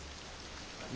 何？